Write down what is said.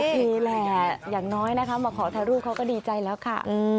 คือแหละอย่างน้อยนะคะมาขอถ่ายรูปเขาก็ดีใจแล้วค่ะ